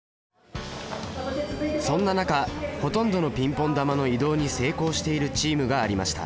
そんな中ほとんどのピンポン球の移動に成功しているチームがありました。